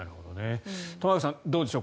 玉川さん、どうでしょう